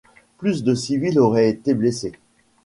Plus de civils auraient été blessés.